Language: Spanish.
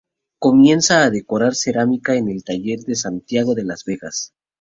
Comienza a decorar cerámica en el taller de Santiago de las Vegas.